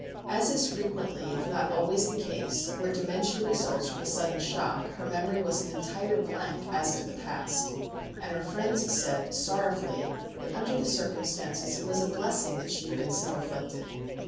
As is frequently, if not always, the case, where dementia results from sudden shock, her memory was an entire blank as to the past ; and her friends said, sorrowfully, that, under the circumstances, it was a blessing that she had been so afflicted.